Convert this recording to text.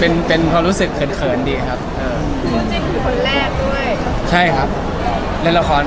มีมีมีมีมีมีมีมีมีมีมีมีมีมีมีมีมีมีมี